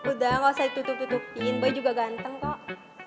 udah ga usah ditutup tutupin boy juga ganteng kok